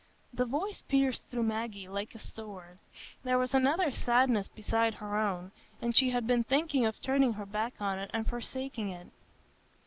The voice pierced through Maggie like a sword; there was another sadness besides her own, and she had been thinking of turning her back on it and forsaking it.